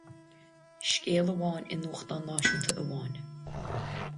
Scéal amháin i nuachtán náisiúnta amháin.